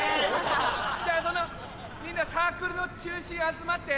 じゃあそのみんなサークルの中心集まって。